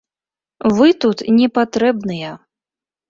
Вы тут не патрэбныя!